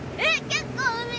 結構海や。